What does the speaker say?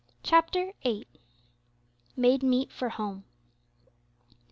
CHAPTER VIII. MADE MEET FOR HOME.